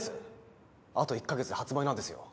あと１カ月で発売なんですよ。